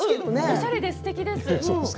おしゃれですてきです。